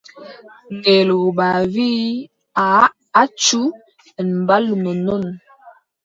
Ngeelooba wii: aaʼa accu en mbaalu nonnon.